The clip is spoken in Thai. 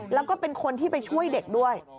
แล้วก็เป็นคนที่ไปช่วยเด็กด้วย